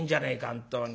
本当に。